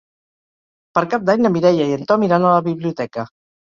Per Cap d'Any na Mireia i en Tom iran a la biblioteca.